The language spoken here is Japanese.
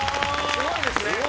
すごいですね。